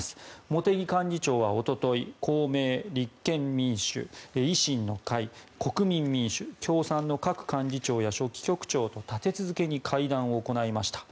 茂木幹事長は一昨日公明、立憲民主、維新の会国民民主党、共産の各幹事長や書記局長と立て続けに会談を行いました。